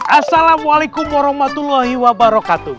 assalamualaikum warahmatullahi wabarakatuh